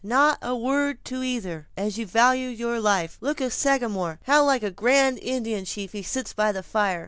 "Not a word to either, as you value your life. Look at the Sagamore, how like a grand Indian chief he sits by the fire.